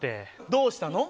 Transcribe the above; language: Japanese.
どうしたの？